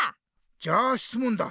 じゃあしつもんだ。